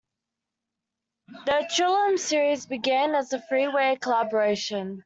The "Trillium series" began as a three-way collaboration.